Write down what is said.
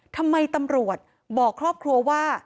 ทำไมตำรวจบอกครอบครัวว่า